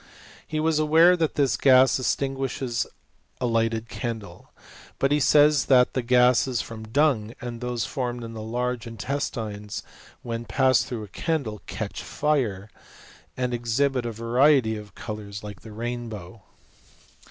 He was aware that this gaiif , extinguishes a lighted candle. But he says that thtf gases from dung, and those formed in the large intet^v tines, when passed through a candle, catch fire, aali exhibit a variety of colours, like the rainbow.